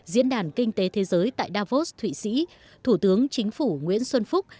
diễn đàn kinh tế thế giới tại davos thụy sĩ thủ tướng chính phủ nguyễn xuân phúc